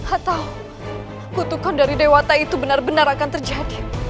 atau kutukan dari dewata itu benar benar akan terjadi